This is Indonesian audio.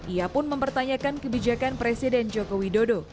ia pun mempertanyakan kebijakan presiden jokowi dodo